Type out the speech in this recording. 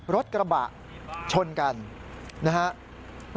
รถกระบะชนกันนะครับ